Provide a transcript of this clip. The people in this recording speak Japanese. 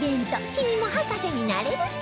「君も博士になれる展」